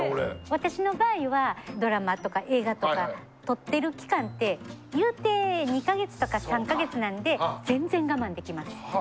私の場合はドラマとか映画とか撮ってる期間って言うて２か月とか３か月なんで全然我慢できます。